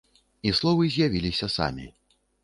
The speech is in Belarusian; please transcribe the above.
І словы з'явіліся самі.